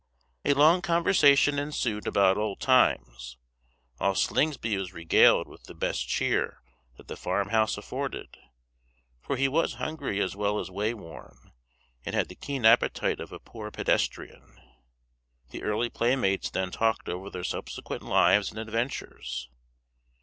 A long conversation ensued about old times, while Slingsby was regaled with the best cheer that the farm house afforded; for he was hungry as well as wayworn, and had the keen appetite of a poor pedestrian. The early playmates then talked over their subsequent lives and adventures.